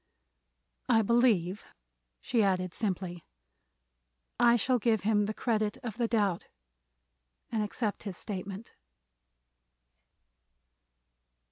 I believe," she added, simply, "I shall give him the credit of the doubt and accept his statement."